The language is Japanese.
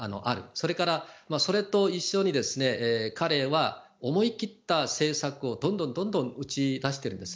それから、それと一緒に彼は思い切った政策をどんどん打ち出しているんです。